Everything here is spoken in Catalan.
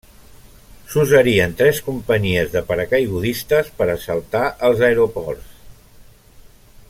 S'usarien tres companyies de paracaigudistes per assaltar els aeroports.